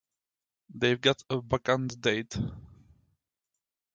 So they've got a vacant date.